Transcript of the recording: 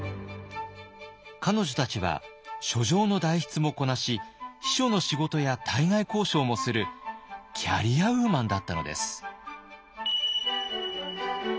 彼女たちは書状の代筆もこなし秘書の仕事や対外交渉もするキャリアウーマンだったのです。